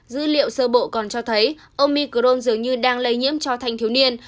dữ liệu sơ bộ còn cho thấy omicron dường như đang lây nhiễm cho thanh thiếu niên